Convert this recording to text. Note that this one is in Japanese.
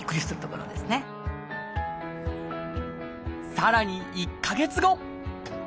さらに１か月後。